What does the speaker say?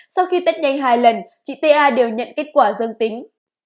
sau khi tết nhanh hai lần chị t a đều nhận kết quả dâng tính